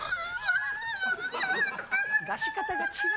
出し方が違う。